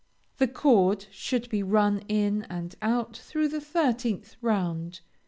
The cord should be run in and out through the thirteenth round.